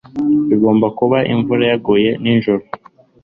Bigomba kuba imvura yaguye nijoro